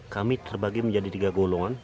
kami terbagi menjadi tiga golongan